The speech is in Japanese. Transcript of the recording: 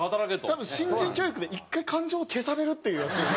多分新人教育で１回感情を消されるっていうやつを。